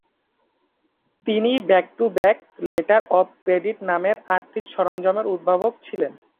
তিনি back to back letter of credit নামের আর্থিক সরঞ্জামের উদ্ভাবক ছিলেন।